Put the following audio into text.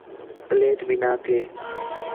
پلیٹ بھی نا تھے